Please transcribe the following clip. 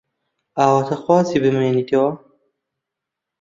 ئاواتەخوازی بمێنیتەوە؟